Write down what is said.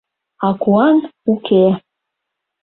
А куан уке...